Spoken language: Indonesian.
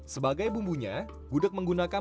sebagai bumbunya gudeg menggunakan